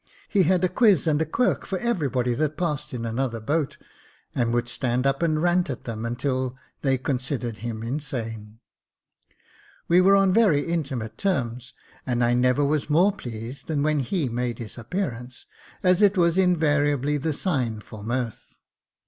He had a quiz and a quirk for everybody that passed in another boat, and would stand up and rant at them until they considered him insane. We were on very intimate terms, and I never was more pleased than when he made his appearance, as it was invariably the signal for mirth.